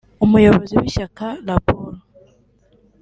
umuyobozi w’ishyaka Labour